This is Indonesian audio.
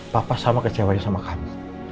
papa sama kecewanya sama kami